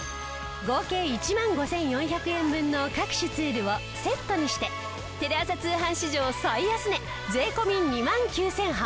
合計１万５４００円分の各種ツールをセットにしてテレ朝通販史上最安値税込２万９８００円。